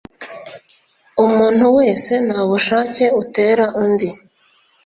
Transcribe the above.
Umuntu wese nta bushake utera undi